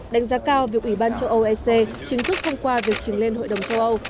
đánh giá cao việc ủy ban châu âu ec chính thức thông qua việc trình lên hội đồng châu âu